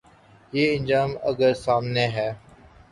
یہ انجام اگر سامنے ہے۔